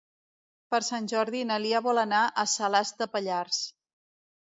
Per Sant Jordi na Lia vol anar a Salàs de Pallars.